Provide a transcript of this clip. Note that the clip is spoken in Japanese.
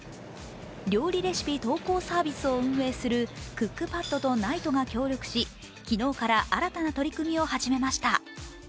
料理レシピ投稿サービスを運営するクックパッドとＮＩＴＥが協力し、昨日から新たな取り組みを始めました。